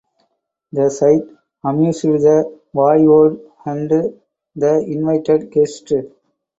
This sight amused the voivode and the invited guests.